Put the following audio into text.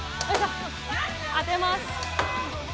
当てます。